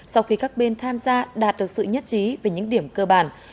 sau khi các bên tham gia đạt được sự nhất trí về những điểm cơ bản